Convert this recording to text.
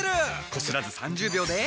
こすらず３０秒で。